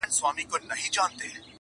مرګي زده کړی بل نوی چم دی؛